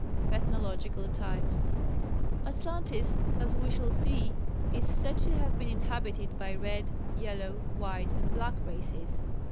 Ethnological Types. Atlantis as we shall see is said to have been inhabited by red, yellow, white and black races.